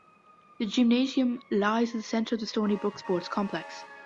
The Gymnasium lies at the center of the Stony Brook Sports Complex.